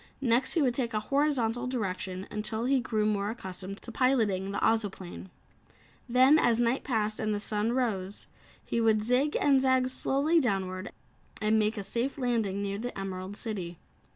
Next he would take a horizontal direction until he grew more accustomed to piloting the Ozoplane. Then, as night passed and the sun rose, he would zig and zag slowly downward and make a safe landing near the Emerald City.